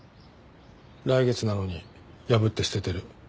来月なのに破って捨ててる。